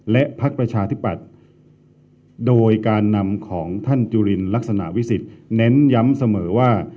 และพักประชาธิปัตย์โดยการนำของท่านจุลินลักษณะวิสิทธิ์เน้นย้ำเสมอว่า